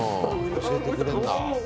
教えてくれんだ。